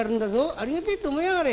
ありがてえと思いやがれ！」。